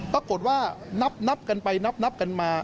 ปรากฏว่านับกันไปนับกันมา